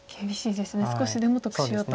少しでも得しようと。